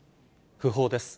訃報です。